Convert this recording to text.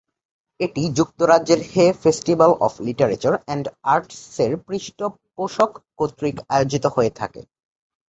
এটি যুক্তরাজ্যের Hay Festival of Literature and আর্টসের পৃষ্ঠপোষক কর্তৃক আয়োজিত হয়ে থাকে।